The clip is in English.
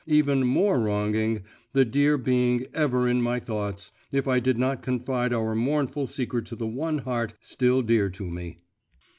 even more wronging the dear being ever in my thoughts, if I did not confide our mournful secret to the one heart still dear to me.